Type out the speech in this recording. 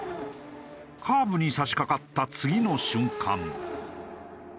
カーブに差し掛かった次の瞬間。